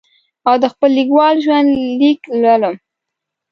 او د خپل لیکوال ژوند لیک لولم.